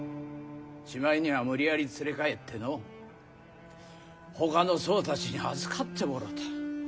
しまいには無理やり連れ帰ってのほかの僧たちに預かってもろた。